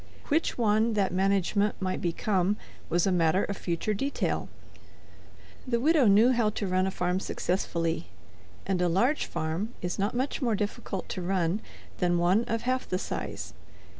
Which one that management might become was a matter of future detail. The widow knew how to run a farm successfully, and a large farm is not much more difficult to run than one of half the size.